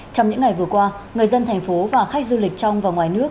trong những ngày vừa qua người dân thành phố và khách du lịch trong và ngoài nước